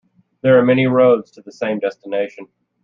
There are many roads to the same destination.